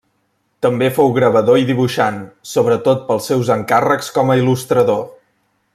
També fou gravador i dibuixant, sobretot pels seus encàrrecs com a il·lustrador.